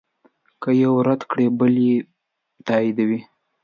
که یو رد کړې بل به یې تاییدوي.